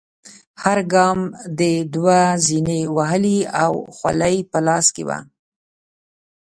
هر ګام دې دوه زینې وهلې او خولۍ په لاس کې وه.